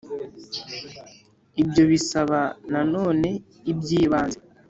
ibyo bisaba na none iby'ibanze: